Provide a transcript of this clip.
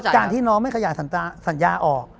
การที่น้องไม่ขยายสัญญาออก